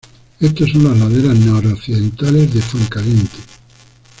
Estas son Las Laderas Noroccidentales de Fuencaliente.